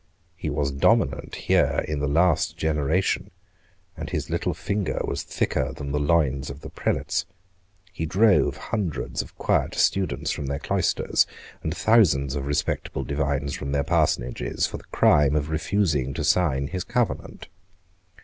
He was dominant here in the last generation; and his little finger was thicker than the loins of the prelates. He drove hundreds of quiet students from their cloisters, and thousands of respectable divines from their parsonages, for the crime of refusing to sign his Covenant.